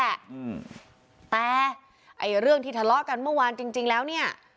อืมแต่ไอ้เรื่องที่ทะเลาะกันเมื่อวานจริงจริงแล้วเนี้ย